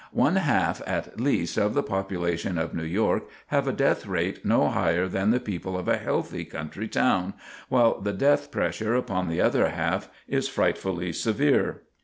One half, at least, of the population of New York have a death rate no higher than the people of a healthy country town, while the death pressure upon the other half is frightfully severe.